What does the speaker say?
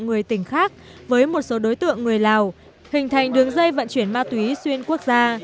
người tỉnh khác với một số đối tượng người lào hình thành đường dây vận chuyển ma túy xuyên quốc gia